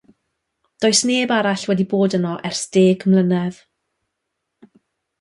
Does neb arall wedi bod yno ers deg mlynedd.